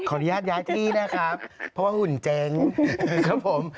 อนุญาตย้ายที่นะครับเพราะว่าหุ่นเจ๊งครับผม